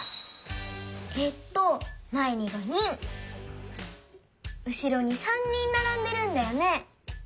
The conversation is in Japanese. えっとまえに５人うしろに３人ならんでるんだよね。